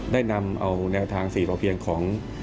ได้นำเอาแนวทาง๔พอเพียงของ